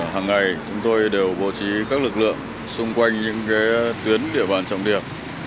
hàng ngày chúng tôi đều bố trí các lực lượng xung quanh những tuyến địa bàn trọng điểm